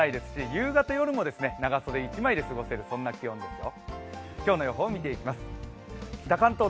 夕方、夜も長袖１枚で過ごせる、そんな気温ですよ。